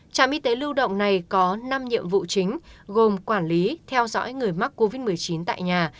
trạm y tế lưu động này có năm nhiệm vụ chính gồm quản lý theo dõi người mắc covid một mươi chín tại nhà